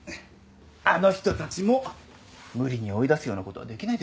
あの人たちも無理に追い出すような事はできないでしょ。